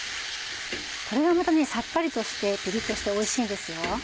これがまたさっぱりとしてピリっとしておいしいんですよ。